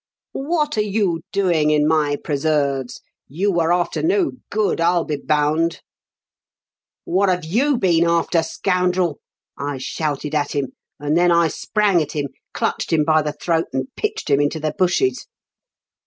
'What a.re you doing in my preserves? You are «,fter no good, I'll be bound.' "* What have you been after, scoundrel ?' I shouted at him, and then I sprang at him, clutched him by the throat, and pitched him into the bushes.